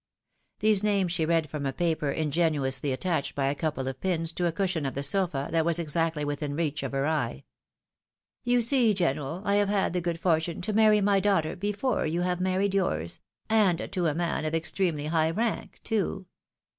These names she read from a paper ingeniously attached by a couple of pins to a cushion of the sofa that was exactly within reach of her eye. " You see, general, I have had the good for tune to marry my daughter before you have married yours — and to a man of extremely high rank too.